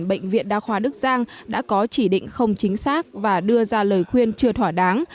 bệnh viện đa khoa đức giang đã có chỉ định không chính xác và đưa ra lời khuyên chưa thỏa đáng